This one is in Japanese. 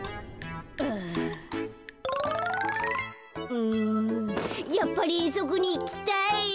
うんやっぱりえんそくにいきたい！